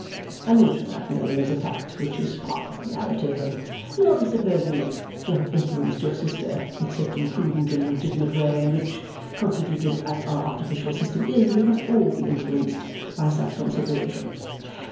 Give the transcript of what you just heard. (I mention that merely as a fact which is part of the narrative, and not as supposing it to have influenced your sister, except in the prudent and legitimate way in which, constituted as our artificial system is, we must all be influenced by such considerations.)